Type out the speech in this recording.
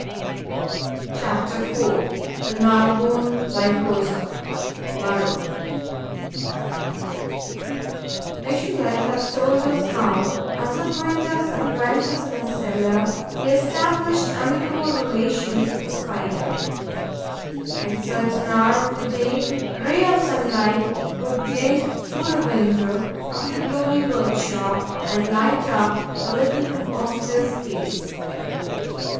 CHAPTER IV: THE NARBONNE LYCOSA: THE BURROW Michelet has told us how, as a printer's apprentice in a cellar, he established amicable relations with a Spider. At a certain hour of the day, a ray of sunlight would glint through the window of the gloomy workshop and light up the little compositor's case.